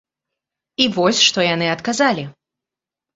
І вось што яны адказалі!